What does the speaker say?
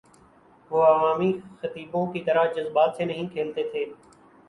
وہ عوامی خطیبوں کی طرح جذبات سے نہیں کھیلتے تھے۔